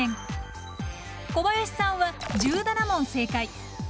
小林さんは１７問正解。